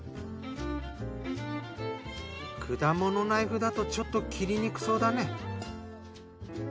果物ナイフだとちょっと切りにくそうだね。